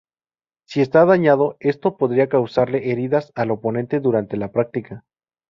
Si está dañado, esto podría causarle heridas al oponente durante la práctica.